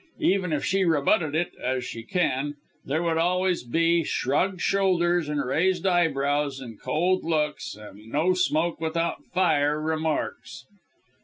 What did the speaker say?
Even if she rebutted it as she can there would always be shrugged shoulders and raised eyebrows and cold looks, and no smoke without fire remarks."